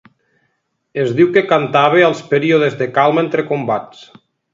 Es diu que cantava als períodes de calma entre combats.